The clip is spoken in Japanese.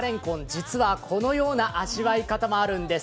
実はこのような味わい方もあるんです。